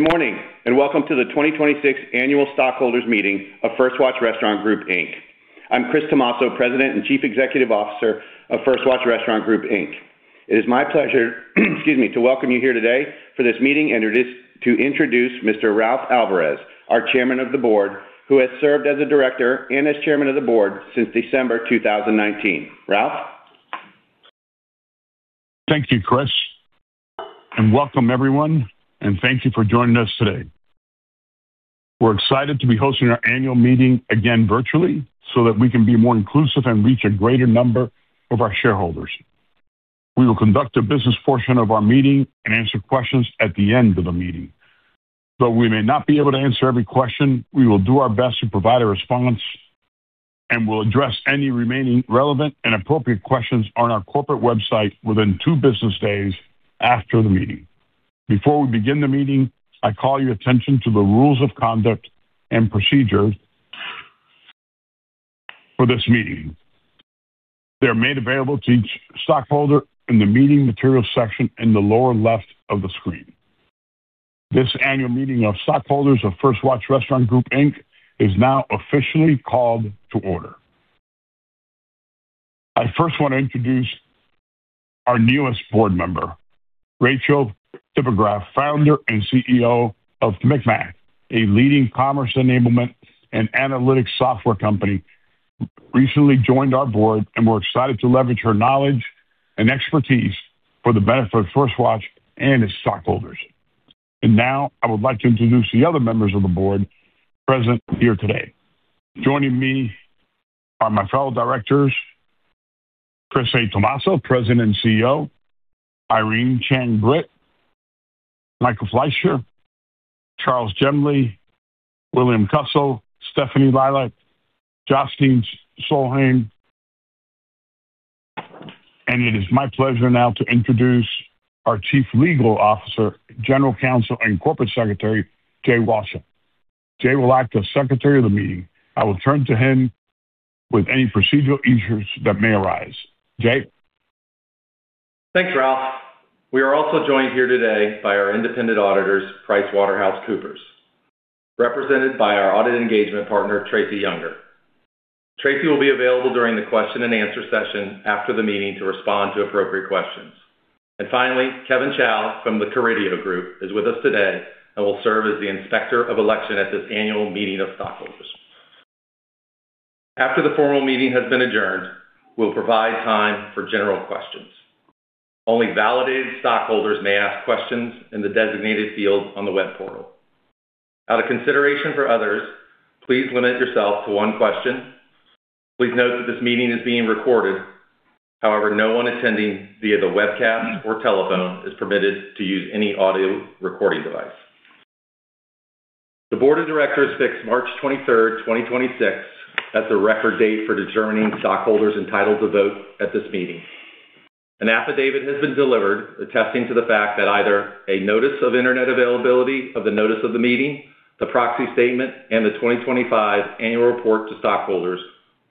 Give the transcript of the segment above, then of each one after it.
Morning, welcome to the 2026 annual stockholders meeting of First Watch Restaurant Group, Inc. I'm Chris Tomasso, President and Chief Executive Officer of First Watch Restaurant Group, Inc. It is my pleasure, excuse me, to welcome you here today for this meeting and to introduce Mr. Ralph Alvarez, our Chairman of the Board, who has served as a director and as Chairman of the Board since December 2019. Ralph. Thank you, Chris, and welcome everyone, and thank you for joining us today. We're excited to be hosting our annual meeting again virtually so that we can be more inclusive and reach a greater number of our shareholders. We will conduct the business portion of our meeting and answer questions at the end of the meeting. Though we may not be able to answer every question, we will do our best to provide a response and will address any remaining relevant and appropriate questions on our corporate website within two business days after the meeting. Before we begin the meeting, I call your attention to the rules of conduct and procedure for this meeting. They're made available to each stockholder in the meeting materials section in the lower left of the screen. This annual meeting of stockholders of First Watch Restaurant Group, Inc. is now officially called to order. I first wanna introduce our newest board member, Rachel Tipograph, Founder and CEO of MikMak, a leading commerce enablement and analytics software company, recently joined our board, and we're excited to leverage her knowledge and expertise for the benefit of First Watch and its stockholders. Now I would like to introduce the other members of the board present here today. Joining me are my fellow directors, Chris A. Tomasso, President and CEO, Irene Chang Britt, Michael Fleisher, Charles Jemley, William Kussell, Stephanie Lilak, Jostein Solheim. It is my pleasure now to introduce our Chief Legal Officer, General Counsel, and Corporate Secretary, Jay Wolszczak. Jay will act as secretary of the meeting. I will turn to him with any procedural issues that may arise. Jay. Thanks, Ralph. We are also joined here today by our independent auditors, PricewaterhouseCoopers, represented by our Audit Engagement Partner, Tracy Junger. Tracy will be available during the question and answer session after the meeting to respond to appropriate questions. Finally, Kevin Chow from The Carideo Group is with us today and will serve as the Inspector of Election at this annual meeting of stockholders. After the formal meeting has been adjourned, we'll provide time for general questions. Only validated stockholders may ask questions in the designated field on the web portal. Out of consideration for others, please limit yourself to one question. Please note that this meeting is being recorded. However, no one attending via the webcast or telephone is permitted to use any audio recording device. The board of directors fixed March 23rd, 2026 as the record date for determining stockholders entitled to vote at this meeting. An affidavit has been delivered attesting to the fact that either a notice of internet availability of the notice of the meeting, the proxy statement, and the 2025 annual report to stockholders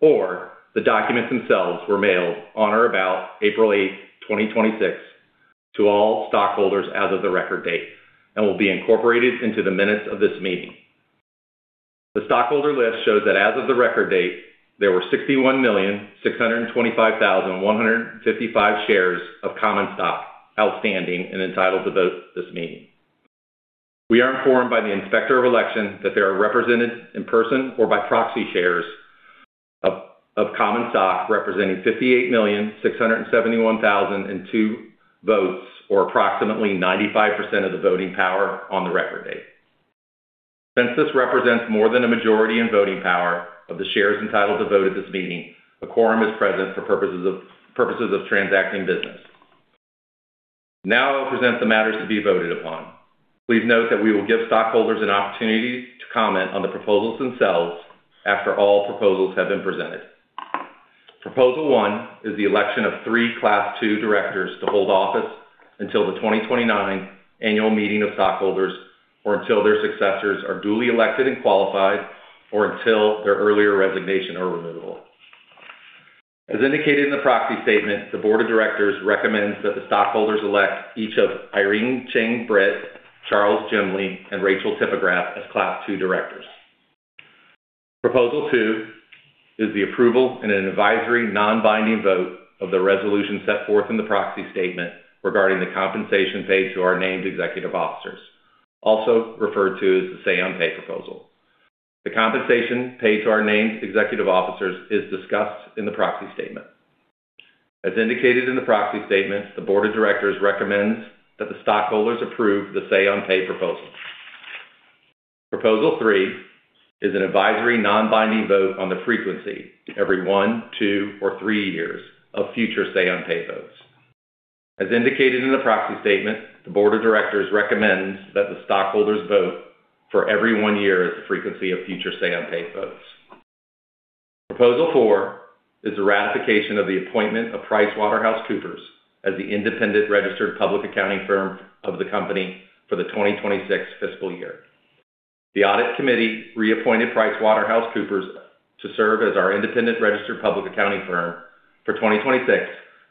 or the documents themselves were mailed on or about April 8th, 2026 to all stockholders as of the record date and will be incorporated into the minutes of this meeting. The stockholder list shows that as of the record date, there were 61,625,155 shares of common stock outstanding and entitled to vote at this meeting. We are informed by the Inspector of Election that they are represented in person or by proxy shares of common stock representing 58,671,002 votes, or approximately 95% of the voting power on the record date. Since this represents more than a majority in voting power of the shares entitled to vote at this meeting, a quorum is present for purposes of transacting business. Now I will present the matters to be voted upon. Please note that we will give stockholders an opportunity to comment on the proposals themselves after all proposals have been presented. Proposal 1 is the election of three Class II directors to hold office until the 2029 annual meeting of stockholders or until their successors are duly elected and qualified or until their earlier resignation or removal. As indicated in the proxy statement, the board of directors recommends that the stockholders elect each of Irene Chang Britt, Charles Jemley, and Rachel Tipograph as Class II directors. Proposal 2 is the approval in an advisory non-binding vote of the resolution set forth in the proxy statement regarding the compensation paid to our named executive officers, also referred to as the say-on-pay proposal. The compensation paid to our named executive officers is discussed in the proxy statement. As indicated in the proxy statement, the board of directors recommends that the stockholders approve the say-on-pay proposal. Proposal 3 is an advisory non-binding vote on the frequency every one, two, or three years of future say-on-pay votes. As indicated in the proxy statement, the board of directors recommends that the stockholders vote for every one year as the frequency of future say-on-pay votes. Proposal 4 is the ratification of the appointment of PricewaterhouseCoopers as the independent registered public accounting firm of the company for the 2026 fiscal year. The Audit Committee reappointed PricewaterhouseCoopers to serve as our independent registered public accounting firm for 2026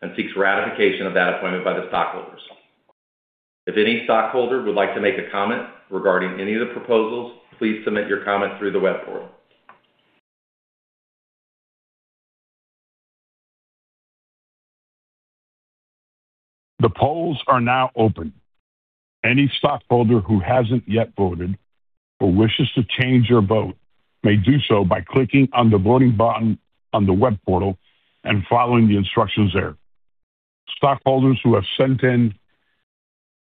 and seeks ratification of that appointment by the stockholders. If any stockholder would like to make a comment regarding any of the proposals, please submit your comment through the web portal. The polls are now open. Any stockholder who hasn't yet voted or wishes to change their vote may do so by clicking on the voting button on the web portal and following the instructions there. Stockholders who have sent in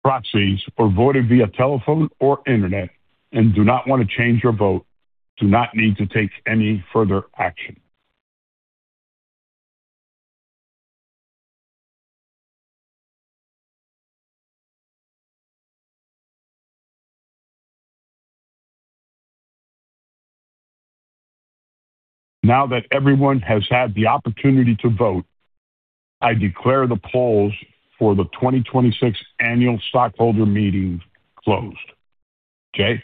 proxies or voted via telephone or internet and do not wanna change their vote do not need to take any further action. Now that everyone has had the opportunity to vote, I declare the polls for the 2026 annual stockholder meeting closed. Jay?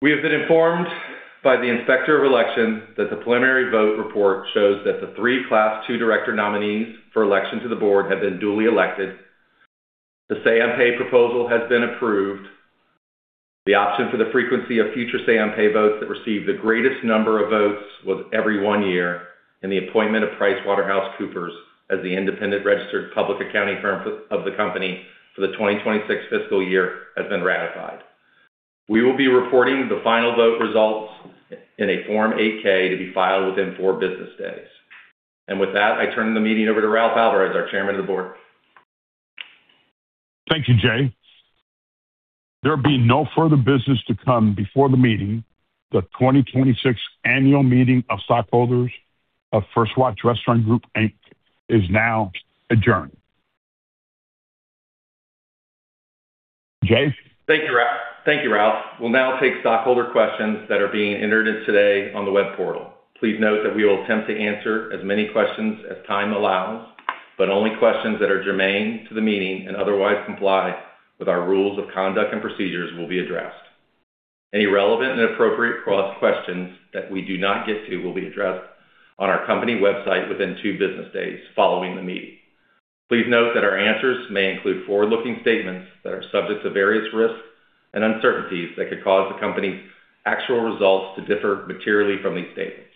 We have been informed by the Inspector of Election that the preliminary vote report shows that the three Class II director nominees for election to the board have been duly elected. The say-on-pay proposal has been approved. The option for the frequency of future say-on-pay votes that received the greatest number of votes was every one year, and the appointment of PricewaterhouseCoopers as the independent registered public accounting firm of the company for the 2026 fiscal year has been ratified. We will be reporting the final vote results in a Form 8-K to be filed within four business days. With that, I turn the meeting over to Ralph Alvarez, our Chairman of the Board. Thank you, Jay. There'll be no further business to come before the meeting. The 2026 annual meeting of stockholders of First Watch Restaurant Group, Inc. is now adjourned. Jay? Thank you, Ralph. We'll now take stockholder questions that are being entered in today on the web portal. Please note that we will attempt to answer as many questions as time allows, but only questions that are germane to the meeting and otherwise comply with our rules of conduct and procedures will be addressed. Any relevant and appropriate cross questions that we do not get to will be addressed on our company website within two business days following the meeting. Please note that our answers may include forward-looking statements that are subject to various risks and uncertainties that could cause the company's actual results to differ materially from these statements.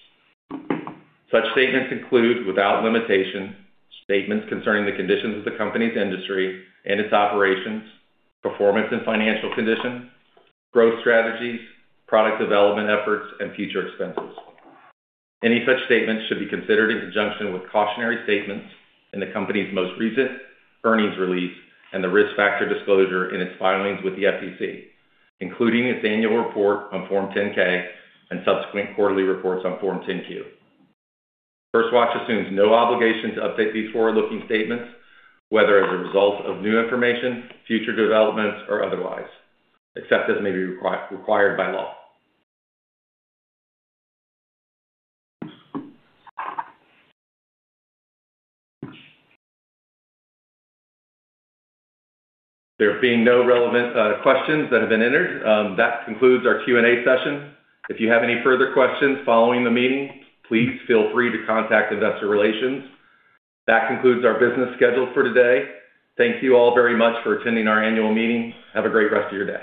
Such statements include, without limitation, statements concerning the conditions of the company's industry and its operations, performance and financial condition, growth strategies, product development efforts, and future expenses. Any such statements should be considered in conjunction with cautionary statements in the company's most recent earnings release and the risk factor disclosure in its filings with the SEC, including its annual report on Form 10-K and subsequent quarterly reports on Form 10-Q. First Watch assumes no obligation to update these forward-looking statements, whether as a result of new information, future developments, or otherwise, except as may be required by law. There being no relevant questions that have been entered, that concludes our Q&A session. If you have any further questions following the meeting, please feel free to contact Investor Relations. That concludes our business schedule for today. Thank you all very much for attending our annual meeting. Have a great rest of your day.